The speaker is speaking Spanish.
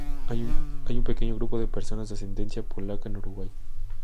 Hay un pequeño grupo de personas de ascendencia polaca en Uruguay.